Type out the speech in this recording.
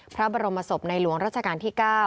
พระบรมศพในหลวงรัชกาลที่๙